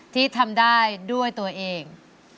ที่ทำได้ด้วยตัวเอง